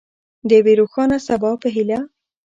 د یوې روښانه سبا په هیله.